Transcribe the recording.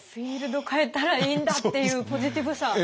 フィールド変えたらいいんだっていうポジティブさ。